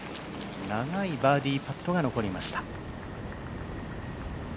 長いバーディーパットが残りました。